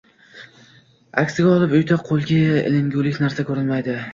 Aksiga olib, uyda qo`lga ilingulik narsa ko`rinmaydi